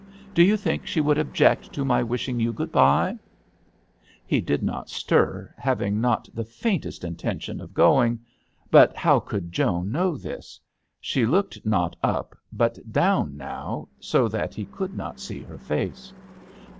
Do you think she would object to my wishing you good bye ?" He did not stir, having not the faintest intention of going. But THE h6T£L d'aNGLETBRRB. 45 how could Joan know this ? She looked not up, but down now, so that he could not see her face.